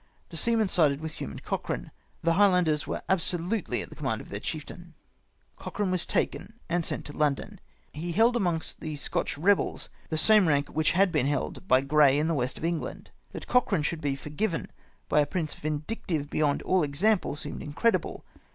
The seamen sided with Hume and Cochrane. The Highlanders were absolutely at the command of their chieftain. yp ^ yp T^ T^ ^" Cochrane was taken and sent to London He held amongst the Scotch rebels the same rank which had been held by Grey in the West of England. That Cochrane should ■ be forgiven by a prince vindictive beyond all example seemed incredible.